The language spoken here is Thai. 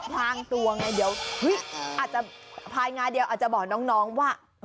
พลางตัวไงเดี๋ยวอาจจะภายงาเดียวอาจจะบอกน้องว่า